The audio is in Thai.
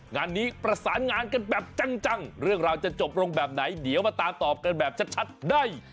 งานนี้ประสานงานกันแบบจังเรื่องราวจะจบลงแบบไหนเดี๋ยวมาตามตอบกันแบบชัดได้